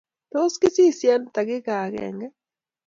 Tos kisiisye eng takika agenge